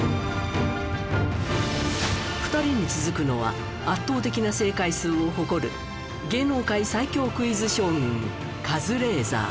２人に続くのは圧倒的な正解数を誇る芸能界最強クイズ将軍カズレーザー。